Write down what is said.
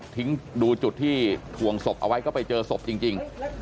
ดูจุดที่ถ่วงศพเอาไว้ก็ไปเจอศพจริง